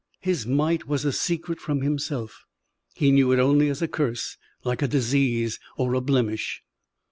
His might was a secret from himself. He knew it only as a curse, like a disease or a blemish.